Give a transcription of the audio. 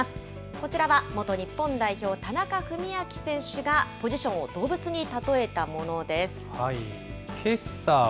こちらは元日本代表、田中史朗選手がポジションを動物に例えたものです。